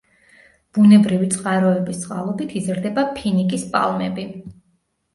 ბუნებრივი წყაროების წყალობით იზრდება ფინიკის პალმები.